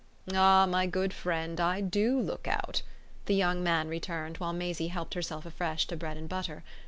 "Ah my good friend, I do look out!" the young man returned while Maisie helped herself afresh to bread and butter.